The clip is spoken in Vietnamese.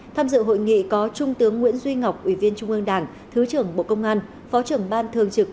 tham dự hội nghị có trung tướng nguyễn duy ngọc ủy viên trung ương đảng thứ trưởng bộ công an phó trưởng ban thường trực